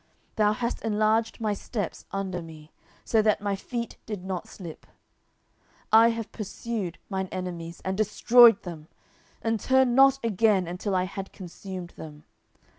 10:022:037 Thou hast enlarged my steps under me; so that my feet did not slip. 10:022:038 I have pursued mine enemies, and destroyed them; and turned not again until I had consumed them.